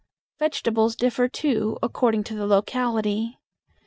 Vegetables differ, too, according to the locality.